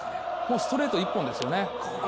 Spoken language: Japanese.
ストレート１本ですよね。